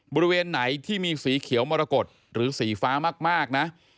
บริเวณไหนที่มีสีเขียวมรกฏหรือสีฟ้ามากนะ